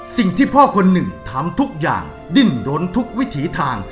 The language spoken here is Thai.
สิ่งที่พ่อคนหนึ่งทำทุกอย่างดิ้นรนทุกวิถีทาง